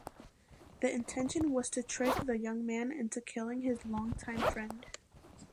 The intention was to trick the young man into killing his long time friend.